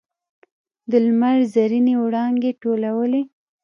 د لمر زرینې وړانګې ټولولې.